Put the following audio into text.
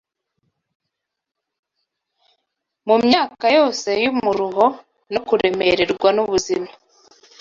mu myaka yose y’umuruho no kuremererwa n’ubuzima.